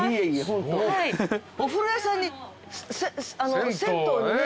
お風呂屋さんに銭湯にね。